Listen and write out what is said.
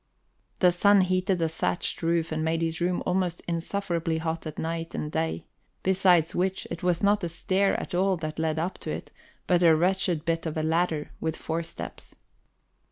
The sun heated the thatched roof and made his room almost insufferably hot at night and day; besides which, it was not a stair at all that led up to it, but a wretched bit of a ladder with four steps.